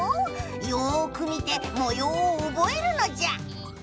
よく見てもようをおぼえるのじゃ。